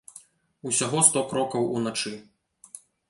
Усяго сто крокаў уначы.